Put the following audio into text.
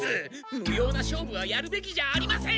無用な勝負はやるべきじゃありません。